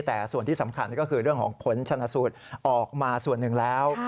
แต่ส่วนที่สำคัญก็คือเรื่องของผลชนะสูตรออกมาส่วนหนึ่งแล้ว